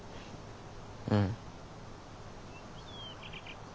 うん。